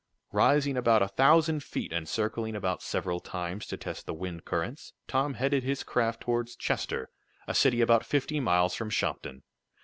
Rising about a thousand feet, and circling about several times to test the wind currents, Tom headed his craft toward Chester, a city about fifty miles from Shopton.